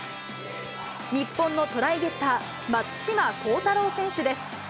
日本のトライゲッター、松島幸太朗選手です。